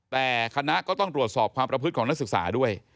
แต่คณะก็ต้องตรวจสอบความประพฤติของนักศึกษาด้วย